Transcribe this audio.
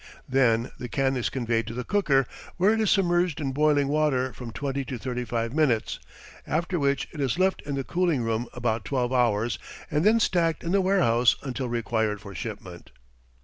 Then the can is conveyed to the cooker, where it is submerged in boiling water from twenty to thirty five minutes, after which it is left in the cooling room about twelve hours, and then stacked in the warehouse until required for shipment.